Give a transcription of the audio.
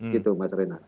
gitu mas renan